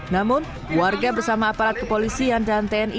namun warga bersama aparat kepolisian dan tni